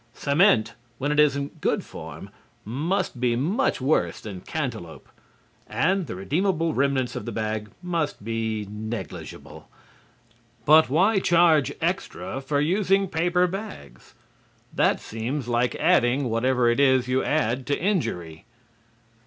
Cement, when it is in good form, must be much worse than cantaloup, and the redeemable remnants of the bag must be negligible. But why charge extra for using paper bags? That seems like adding whatever it is you add to injury.